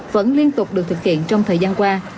vẫn liên tục được thực hiện trong thời gian qua